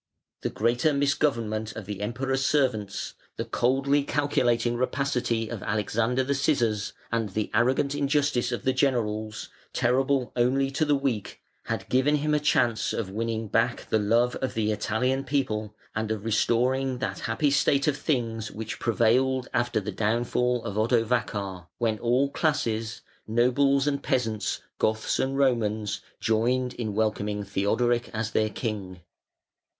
The greater misgovernment of the Emperor's servants, the coldly calculating rapacity of Alexander the Scissors, and the arrogant injustice of the generals, terrible only to the weak, had given him a chance of winning back the love of the Italian people and of restoring that happy state of things which prevailed after the downfall of Odovacar, when all classes, nobles and peasants, Goths and Romans, joined in welcoming Theodoric as their king.